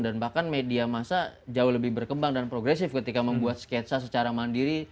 dan bahkan media masa jauh lebih berkembang dan progresif ketika membuat sketsa secara mandiri